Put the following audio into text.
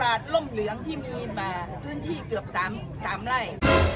ร่มเหลืองที่มีมาพื้นที่เกือบ๓ไร่